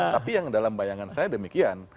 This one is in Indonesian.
tapi yang dalam bayangan saya demikian